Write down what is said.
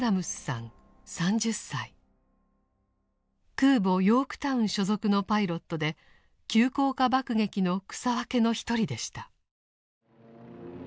空母「ヨークタウン」所属のパイロットで急降下爆撃の草分けの一人でした。